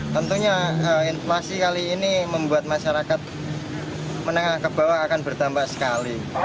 tentunya inflasi kali ini membuat masyarakat menengah ke bawah akan bertambah sekali